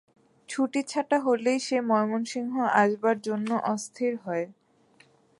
ছুটিছাটা হলেই সে ময়মনসিংহ আসবার জন্যে অস্থির হয়।